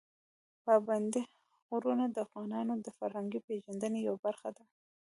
پابندي غرونه د افغانانو د فرهنګي پیژندنې یوه برخه ده.